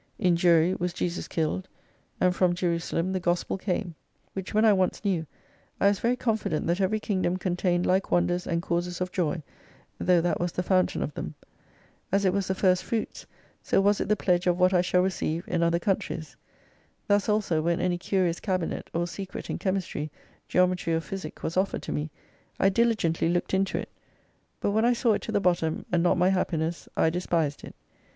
In Jury was Jesus killed, and from J erusalem the Gospel came. Which when I once knew, I was very confident that every kingdom contained like wonders and causes of joy, though that was the fountain of them. As it was the first fruits, so was it the pledge of what I shall receive in other countries. Thus also when any curious cabinet, or secret in chemistry, geometry or physic was offered to me, I diligently looked into it, but when I saw it to the bottom and not my happiness I despised it.